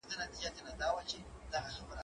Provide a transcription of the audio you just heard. نو وګورئ چي زما سزا څونه سخته ده؟